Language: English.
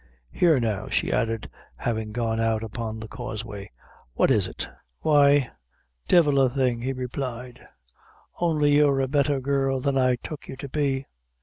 Here, now," she added, having gone out upon the causeway, "what is it?" "Why, devil a thing," he replied; "only you're a betther girl than I tuck you to be.